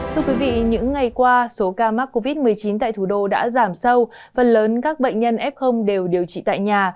thưa quý vị những ngày qua số ca mắc covid một mươi chín tại thủ đô đã giảm sâu phần lớn các bệnh nhân f đều điều trị tại nhà